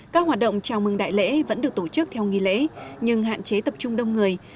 các hoạt động chào mừng đại lễ vẫn được tổ chức theo nghi lễ nhưng hạn chế tập trung đông người